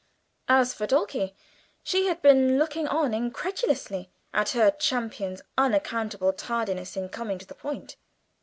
As for Dulcie, she had been looking on incredulously at her champion's unaccountable tardiness in coming to the point.